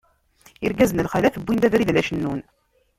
Irgazen lxalat, wwin-d abrid la cennun.